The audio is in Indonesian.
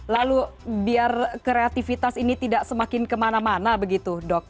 lalu biar kreatifitas ini tidak semakin kemana mana begitu dok